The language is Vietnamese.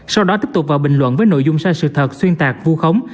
sau đó tiếp tục vào bình luận với nội dung sai sự thật xuyên tạc vu khống